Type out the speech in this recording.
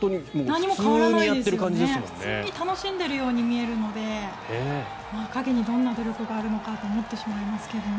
普通に楽しんでいるように見えるので陰にどんな努力があるのかって思ってしまいますけどね。